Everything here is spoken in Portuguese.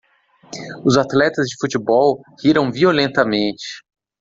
Os atletas de futebol riram violentamente.